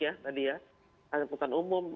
ya tadi ya angkutan umum